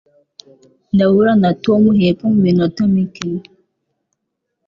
Ndahura na Tom hepfo muminota mike.